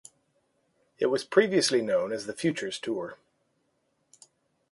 It was previously known as the Futures Tour.